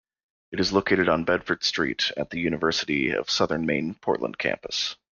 It is located on Bedford Street at the University of Southern Maine Portland Campus.